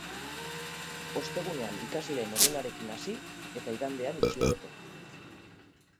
Ostegunean ikasleen egunarekin hasi eta igandean itxi arte.